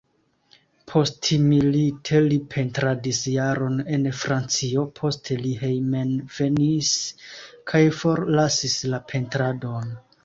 Postmilite li pentradis jaron en Francio, poste li hejmenvenis kaj forlasis la pentradon.